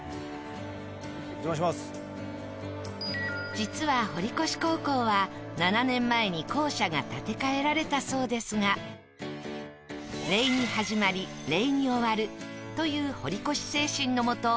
実は堀越高校は７年前に校舎が建て替えられたそうですが「礼に始まり礼に終わる」という堀越精神のもと